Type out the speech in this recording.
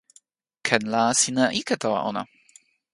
ken la sina ike tawa ona.